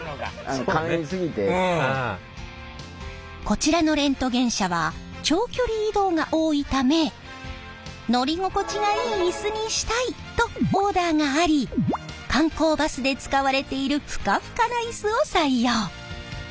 こちらのレントゲン車は長距離移動が多いため乗り心地がいいイスにしたいとオーダーがあり観光バスで使われているふかふかなイスを採用。